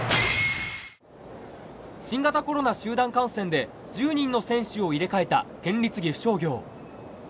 新型コロナ集団感染で１０人の選手を入れ替えた県立岐阜商業。